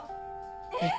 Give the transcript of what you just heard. えっ？